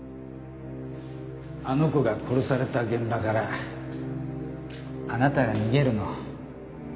あの子が殺された現場からあなたが逃げるの